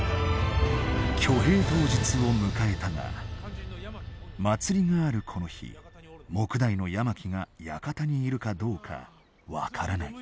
挙兵当日を迎えたが祭りがあるこの日目代の山木が館にいるかどうか分からない。